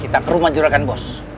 kita ke rumah jurakan bos